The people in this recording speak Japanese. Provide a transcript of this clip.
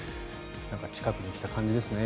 なんか近くに来た感じですね。